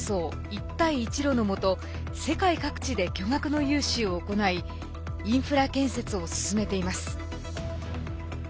一帯一路のもと世界各地で巨額の融資を行いインフラ建設を進めています。